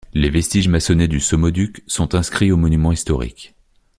Les vestiges maçonnés du saumoduc sont inscrits aux monuments historiques.